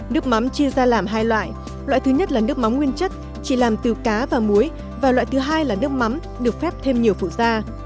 nước mắm chia ra làm hai loại loại thứ nhất là nước mắm nguyên chất chỉ làm từ cá và muối và loại thứ hai là nước mắm được phép thêm nhiều phụ da